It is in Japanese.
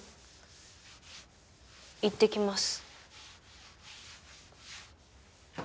いってきます。